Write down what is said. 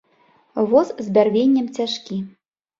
Воз з бярвеннем цяжкі.